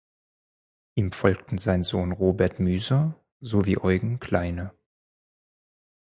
Ihm folgten sein Sohn Robert Müser sowie Eugen Kleine.